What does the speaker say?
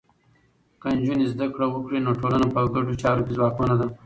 که نجونې زده کړه وکړي، نو ټولنه په ګډو چارو کې ځواکمنه ده.